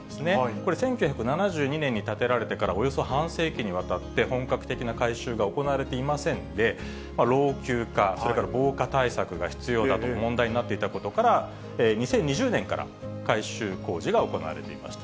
これ、１９７２年に建てられてから、およそ半世紀にわたって本格的な改修が行われていませんで、老朽化、それから防火対策が必要だと、問題になっていたことから、２０２０年から改修工事が行われていました。